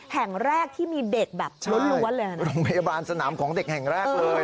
แห่งแรกที่มีเด็กแบบล้วนเลยนะโรงพยาบาลสนามของเด็กแห่งแรกเลย